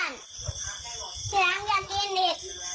กินเยอะเยอะแล้วเมาอ่ะ